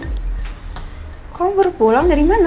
kamu baru pulang dari mana